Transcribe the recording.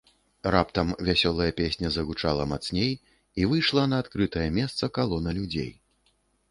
Раптам вясёлая песня загучала мацней і выйшла на адкрытае месца калона людзей.